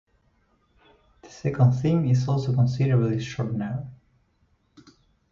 The second theme is also considerably shortened.